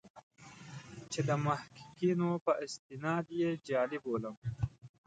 چې د محققینو په استناد یې جعلي بولم.